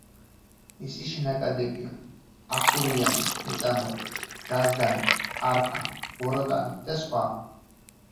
მისი შენაკადებია: ახურიანი, მეწამორი, რაზდანი, არფა, ვოროტანი და სხვა.